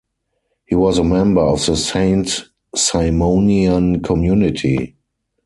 He was a member of the Saint-Simonian community.